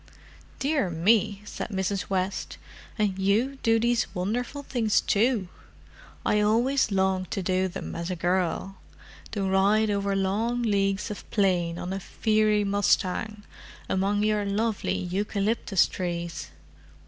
"Dear me!" said Mrs. West. "And you do these wonderful things too! I always longed to do them as a girl—to ride over long leagues of plain on a fiery mustang, among your lovely eucalyptus trees.